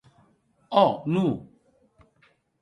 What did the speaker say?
Ò!, non!